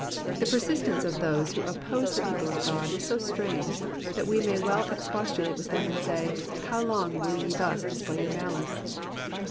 The persistency of those who oppose the people of God is so strange that we may well expostulate with them and say, How long will ye thus display your malice